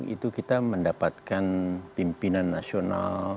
itu kita mendapatkan pimpinan nasional